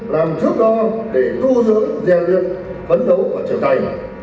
làm thước đo để tu dưỡng gieo liệt phấn đấu và trở tài